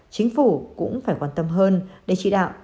chính phủ cũng phải quan tâm hơn để chỉ đạo